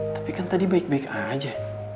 tapi kan tadi baik baik aja